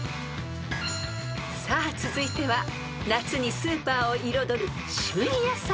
［さあ続いては夏にスーパーを彩る旬野菜］